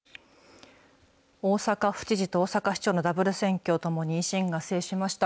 大阪府知事と大阪市長のダブル選挙、ともに維新が制しました。